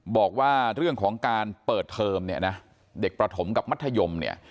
บอกว่าเรื่องของการเปิดเทอมเนี่ยนะเด็กประถมกับมัธยมเนี่ย